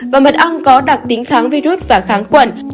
và mật ong có đặc tính kháng virus và kháng khuẩn